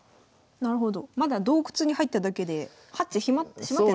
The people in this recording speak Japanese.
なるほど。